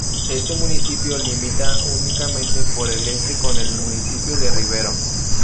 Este municipio limita únicamente por el este con el municipio de Ribero.